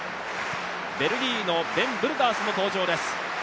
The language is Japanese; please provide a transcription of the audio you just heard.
ベルギーのベン・ブルダースも登場です。